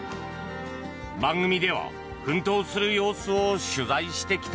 番組では奮闘する様子を取材してきた。